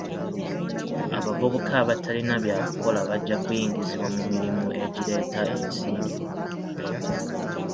Abavubuka abatalina bya kukola bajja kuyingizibwa mu mirimu egireeta ensimbi.